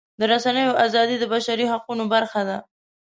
د رسنیو ازادي د بشري حقونو برخه ده.